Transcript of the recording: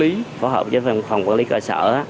quy định pháp lý phối hợp với phòng quản lý cơ sở